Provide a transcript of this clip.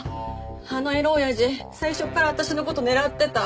あのエロおやじ最初から私の事狙ってた。